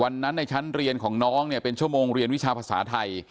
ในชั้นเรียนของน้องเนี่ยเป็นชั่วโมงเรียนวิชาภาษาไทย